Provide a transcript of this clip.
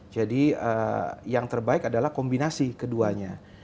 jadi yang terbaik adalah kombinasi keduanya